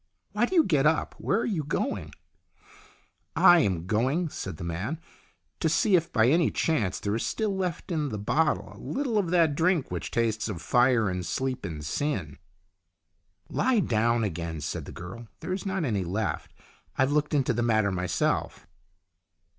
Why do you get up? Where are you going ?"" I am going," said the man, " to see if by any chance there is still left in the bottle a little of that drink which tastes of fire and sleep and sin." THE UNKNOWN GOD 115 " Lie down again," said the girl. " There is not any left. I have looked into the matter myself."